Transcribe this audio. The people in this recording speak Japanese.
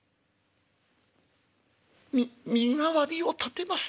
み身代わりを立てます。